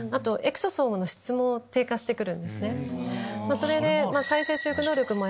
それで。